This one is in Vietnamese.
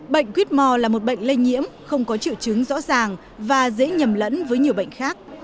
bệnh whitmore là một bệnh lây nhiễm không có triệu chứng rõ ràng và dễ nhầm lẫn với nhiều bệnh khác